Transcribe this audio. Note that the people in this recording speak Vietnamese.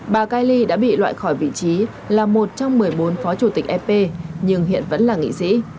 bà kaili đã bị loại khỏi vị trí là một trong một mươi bốn phó chủ tịch ep nhưng hiện vẫn là nghị sĩ